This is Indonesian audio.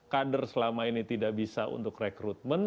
kader selama ini tidak bisa untuk rekrutmen